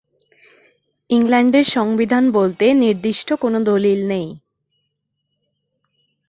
ইংল্যান্ডের সংবিধান বলতে নির্দিষ্ট কোনো দলিল নেই।